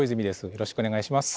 よろしくお願いします。